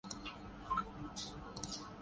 قصور کا واقعہ کچھ ایسا ہی لگتا ہے۔